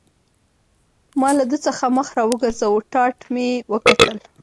ما له ده څخه مخ را وګرځاوه، ټاټ مې وکتل.